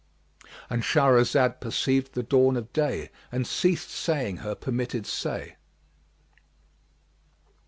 '"—And Shahrazad perceived the dawn of day and ceased saying her permitted say.